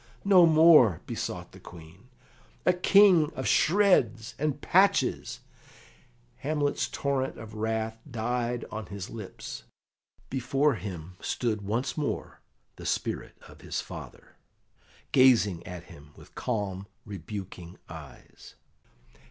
"No more!" besought the Queen. "A king of shreds and patches " Hamlet's torrent of wrath died on his lips. Before him stood once more the spirit of his father, gazing at him with calm, rebuking eyes.